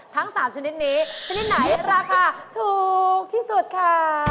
ทั้ง๓ชนิดนี้ชนิดไหนราคาถูกที่สุดค่ะ